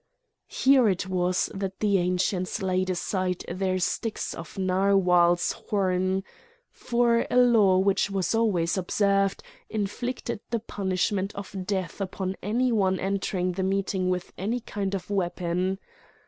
Here it was that the Ancients laid aside their sticks of narwhal's horn,—for a law which was always observed inflicted the punishment of death upon any one entering the meeting with any kind of weapon.